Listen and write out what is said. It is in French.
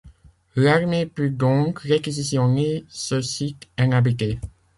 L’armée put donc réquisitionner ce site inhabité.